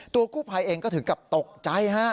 ตัวกู้ไพเองก็ถึงกลับตกใจ